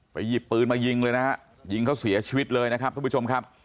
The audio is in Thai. หยิบปืนมายิงเลยนะฮะยิงเขาเสียชีวิตเลยนะครับทุกผู้ชมครับ